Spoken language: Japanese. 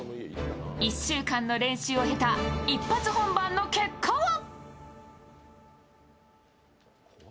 １週間の練習を経た一発本番の結果は。